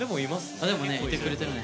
でもねいてくれてるね。